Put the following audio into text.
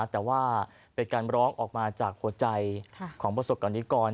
แต่ว่าเป็นการร้องออกมาจากหัวใจของประสบกรณิกร